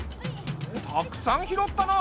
たくさん拾ったな。